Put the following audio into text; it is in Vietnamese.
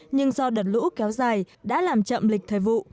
nhưng do đợt lũ kéo dài đã làm chậm lịch thời vụ